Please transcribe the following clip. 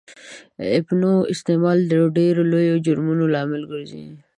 اپینو استعمال د ډېرو لویو جرمونو لامل ګرځي.